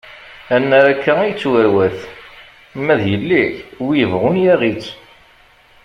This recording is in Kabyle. Annar akka i yettwarwat ma d yelli-k wi yebɣun yaɣ-itt!